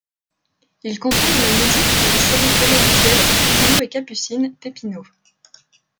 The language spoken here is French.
Il compose la musique pour les séries télévisuelles Pépinot et Capucine, Pépinot.